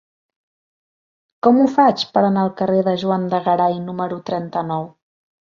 Com ho faig per anar al carrer de Juan de Garay número trenta-nou?